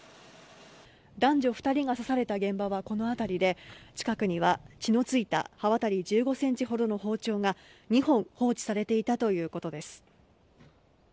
男女２人が刺された現場はこの辺りで近くには血の付いた刃渡り１５ｃｍほどの包丁が２本放置されていたということです。